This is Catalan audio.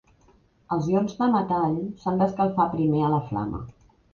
Els ions de metall s'han d'escalfar primer a la flama.